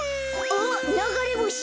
あっながれぼし！